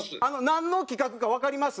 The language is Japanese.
なんの企画かわかります？